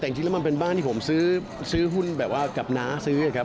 แต่จริงแล้วมันเป็นบ้านที่ผมซื้อหุ้นแบบว่ากับน้าซื้อครับ